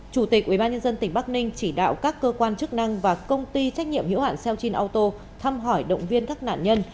chủ tịch ubnd tỉnh bắc ninh chỉ đạo các cơ quan chức năng và công ty trách nhiệm hiểu hạn xeochin auto thăm hỏi động viên các nạn nhân